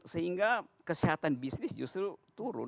sehingga kesehatan bisnis justru turun